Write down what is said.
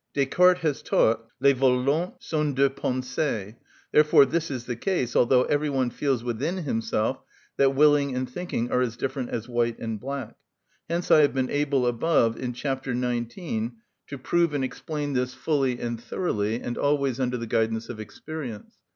Descartes has taught, les volontés sont des pensées: therefore this is the case, although every one feels within himself that willing and thinking are as different as white and black. Hence I have been able above, in chapter 19, to prove and explain this fully and thoroughly, and always under the guidance of experience.